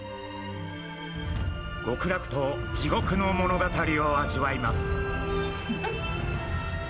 極楽と地獄の物語を味わいます。